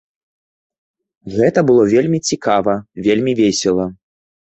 Гэта было вельмі цікава, вельмі весела.